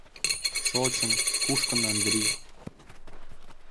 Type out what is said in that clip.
Шочын, кушкын Андрий.